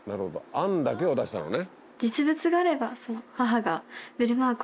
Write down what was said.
案だけを出したのね。